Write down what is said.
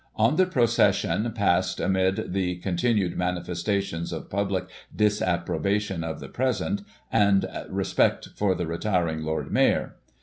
On the procession passed amid the continued manifestations of public disapprobation of the present, and respect for the retir ing Lord Mayor.